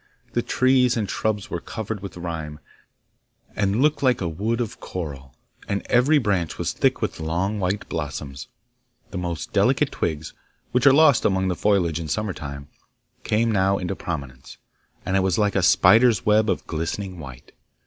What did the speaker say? The trees and shrubs were covered with rime, and looked like a wood of coral, and every branch was thick with long white blossoms. The most delicate twigs, which are lost among the foliage in summer time, came now into prominence, and it was like a spider's web of glistening white.